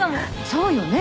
そうよね。